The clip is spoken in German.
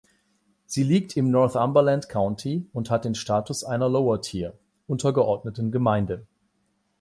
Sie liegt im Northumberland County und hat den Status einer Lower Tier ("untergeordneten Gemeinde").